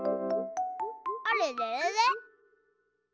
あれれれれ？